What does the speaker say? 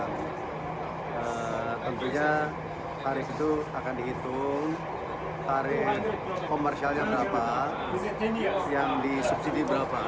nah tentunya tarif itu akan dihitung tarif komersialnya berapa yang disubsidi berapa